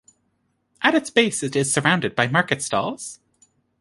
At its base it is surrounded by market stalls.